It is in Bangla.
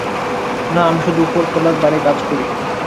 না, আমি শুধু ওপরতলার বারে কাজ করি।